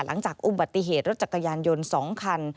หลังจากอุบัติเหตุรถจักรยานยนต์๒คัน